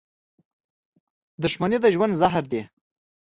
• دښمني د ژوند زهر دي.